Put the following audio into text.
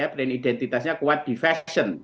brand identitasnya kuat di fashion